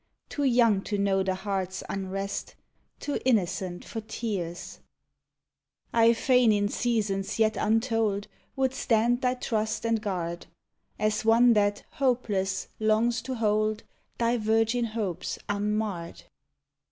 Too young to know the heart's unrest, Too innocent for tears! TO MY SISTER. I fain in seasons yet untold Would stand thy trust and guard, As one that, hopeless, longs to hold Thy virgin hopes unmarred.